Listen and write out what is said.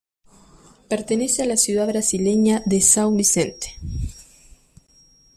Pertenece a la ciudad brasileña de São Vicente.